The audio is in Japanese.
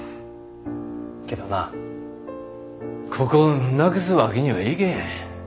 けどなここなくすわけにはいけへん。